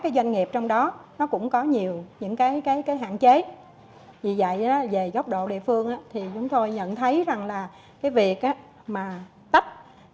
thời gian công bố quy hoạch cũng đã hơn một mươi năm rồi vì vậy người dân cũng rất băng khoăn rất lo lắng về việc